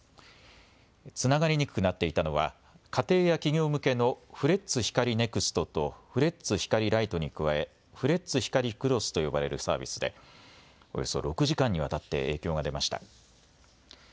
つながりにくくなっていたのは家庭や企業向けのフレッツ光ネクストとフレッツ光ライトに加えフレッツ光クロスと呼ばれるサービスでおよそ６時間にわたって影響が出ました。